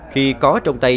khi có trong tay